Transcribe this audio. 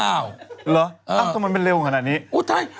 เหรอเอ้าเนี่ยมันเป็นเลวขนาดนี้